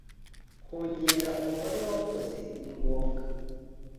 kongera umubare w’abakozi ni ngombwa